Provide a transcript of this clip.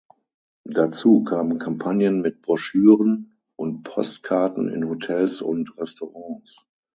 Dazu kamen Kampagnen mit Broschüren und Postkarten in Hotels und Restaurants.